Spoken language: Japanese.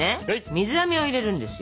水あめを入れるんですよ。